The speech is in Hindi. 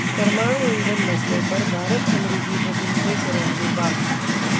परमाणु ईंधन मसले पर भारत-अमेरिकी प्रतिनिधि करेंगे बात